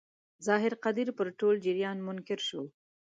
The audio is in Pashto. ظاهر قدیر پر ټول جریان منکر شو.